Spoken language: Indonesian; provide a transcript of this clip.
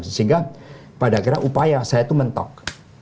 sehingga pada akhirnya upaya saya itu mentok